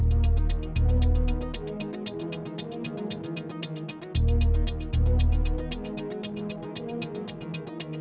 ตามกล้องตามรูปภาพวิดีโอที่อยู่ในกล้องครับผม